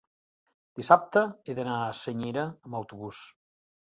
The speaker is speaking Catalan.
Dissabte he d'anar a Senyera amb autobús.